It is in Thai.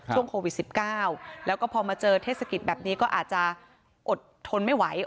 ช่วงโควิด๑๙แล้วก็พอมาเจอเทศกิจแบบนี้ก็อาจจะอดทนไม่ไหว